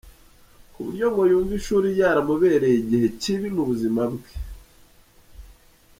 Ku buryo ngo yumva ishuri ryaramubereye igihe kibi mu buzima bwe.